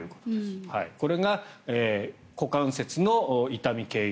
これが股関節の痛み軽減